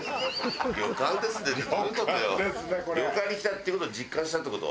旅館に来たっていう事を実感したって事？